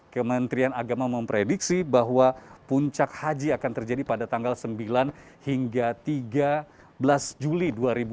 kementerian agama memprediksi bahwa puncak haji akan terjadi pada tanggal sembilan hingga tiga belas juli dua ribu dua puluh